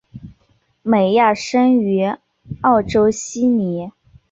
美亚生于澳洲悉尼。